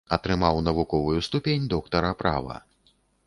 Атрымаў навуковую ступень доктара права.